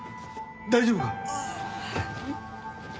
大丈夫か！？